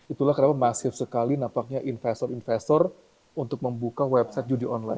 itulah kenapa masif sekali nampaknya investor investor untuk membuka website judi online